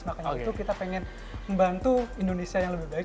makanya itu kita pengen membantu indonesia yang lebih baik